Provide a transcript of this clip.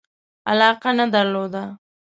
علاقه نه درلوده.